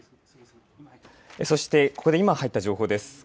そしてここで今入った情報です。